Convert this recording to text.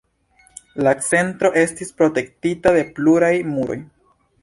La centro estis protektita de pluraj muroj.